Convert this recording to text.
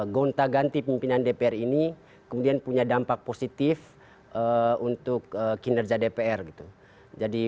gonta ganti pimpinan dpr ini kemudian punya dampak positif untuk kinerja dpr gitu jadi